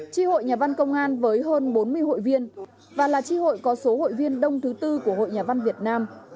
tri hội nhà văn công an với hơn bốn mươi hội viên và là tri hội có số hội viên đông thứ tư của hội nhà văn việt nam